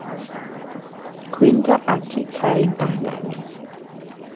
გვინდა ათი ცალი ბანანი.